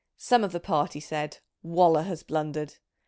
Some of the party said ' Waller has blundered.'